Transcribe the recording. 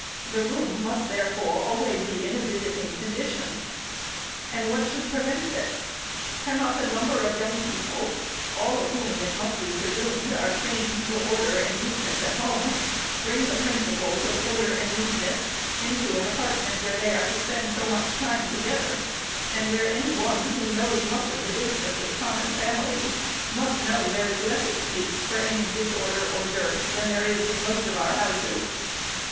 The room must, therefore, always be in a visiting condition. And what should prevent this ? Cannot a number of young people, all of whom, it must be presumed, are trained to order and neatness at home, bring the principles of order and neatness into an apartment, where they are to spend so much time together, and where any one, who knows much of the business of common families, must know there is less excuse for any disorder or dirt, than there is in most of our houses